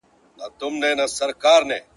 ډوډۍ که د بل ده نس خو دي خپل دئ.